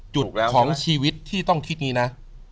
ของชีวิตที่ต้องคิดนี้นะ